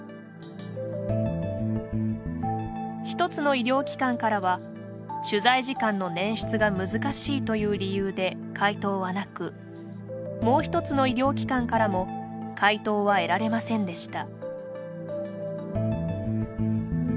１つの医療機関からは「取材時間の捻出が難しい」という理由で回答はなくもう一つの医療機関からも回答は得られませんでした。